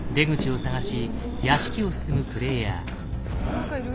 何かいる。